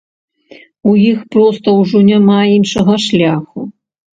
У іх проста ўжо няма іншага шляху.